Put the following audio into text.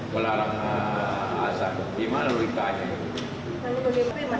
kalau larang azan bagaimana logika aja itu